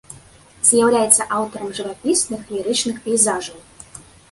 З'яўляецца аўтарам жывапісных лірычных пейзажаў.